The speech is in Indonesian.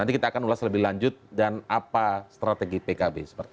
nanti kita akan ulas lebih lanjut dan apa strategi pkb